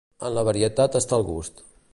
En la varietat està el gust.